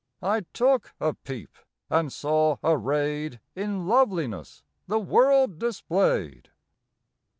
I took a "peep" and saw arrayed In loveliness the world displayed.